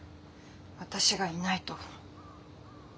私がいないと。